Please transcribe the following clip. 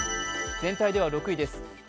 全体では６位です。